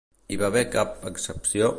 Hi va haver cap excepció?